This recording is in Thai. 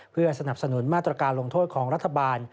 เพื่อสนับสนุนมาตรการลงโทษของรัฐบาล